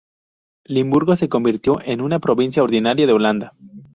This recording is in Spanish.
Limburgo se convirtió en una provincia ordinaria de Holanda.